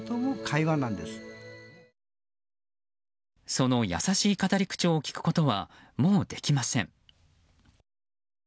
その優しい語り口調を聞くことはもうできません。